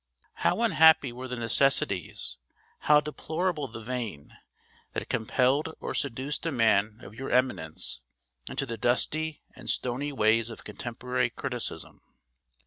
How unhappy were the necessities, how deplorable the vein, that compelled or seduced a man of your eminence into the dusty and stony ways of contemporary criticism!